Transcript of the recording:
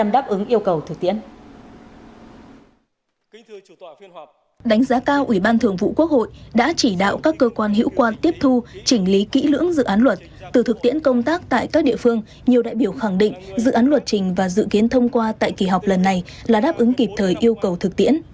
đã chỉ đạo các cơ quan hiệu quan tiếp thu chỉnh lý kỹ lưỡng dự án luật từ thực tiễn công tác tại các địa phương nhiều đại biểu khẳng định dự án luật trình và dự kiến thông qua tại kỳ họp lần này là đáp ứng kịp thời yêu cầu thực tiễn